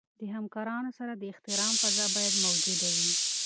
د همکارانو سره د احترام فضا باید موجوده وي.